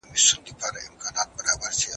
تياره شپه سهار لري.